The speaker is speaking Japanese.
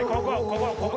ここ！